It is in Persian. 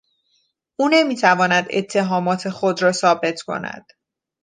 او نمیتواند اتهامات خود را ثابت کند.